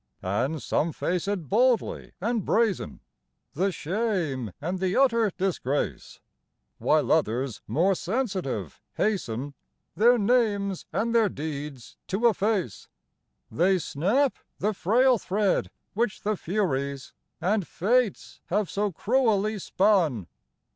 And some face it boldly, and brazen The shame and the utter disgrace; While others, more sensitive, hasten Their names and their deeds to efface. They snap the frail thread which the Furies And Fates have so cruelly spun.